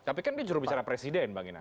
tapi kan dia jurubicara presiden bang ina